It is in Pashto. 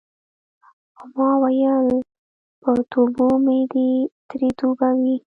خو ما ویل په توبو مې دې ترې توبه وي.